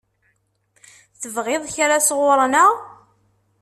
Tebɣiḍ kra sɣur-neɣ?